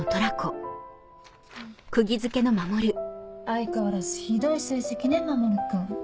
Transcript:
相変わらずひどい成績ね守君。